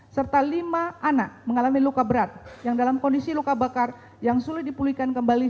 serta lima anak mengalami luka berat yang dalam kondisi luka bakar yang sulit dipulihkan kembali